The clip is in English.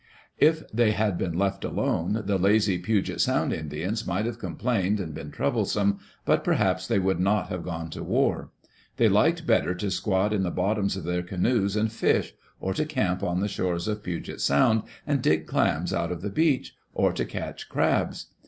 If they had been left alone, the lazy Puget Sound Indians might have complamed and been troublesome, but perhaps they would not have gone to war. They liked better to squat in the bottoms of their canoes and fish; or to camp on the shores of Puget Sound and dig clams out of the beach; or to catch crabs.